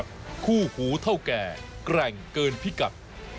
ชูวิทธ์ตีแสดหน้า